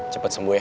cepet sembuh ya